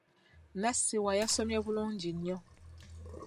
Nassiwa yasomye bulungi nnyo.